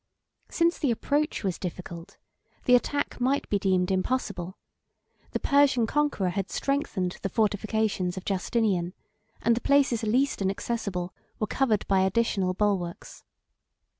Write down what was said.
Since the approach was difficult, the attack might be deemed impossible: the Persian conqueror had strengthened the fortifications of Justinian; and the places least inaccessible were covered by additional bulwarks.